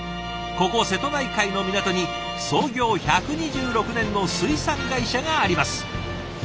ここ瀬戸内海の港に創業１２６年の水産会社があります。